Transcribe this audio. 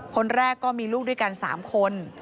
คนแรกก็มีลูกด้วยกัน๓คน